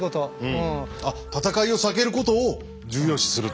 戦いを避けることを重要視すると。